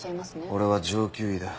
俺は上級医だ。